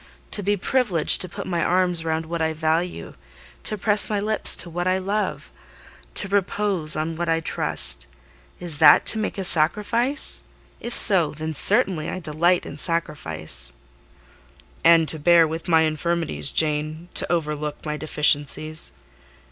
To be privileged to put my arms round what I value—to press my lips to what I love—to repose on what I trust: is that to make a sacrifice? If so, then certainly I delight in sacrifice." "And to bear with my infirmities, Jane: to overlook my deficiencies."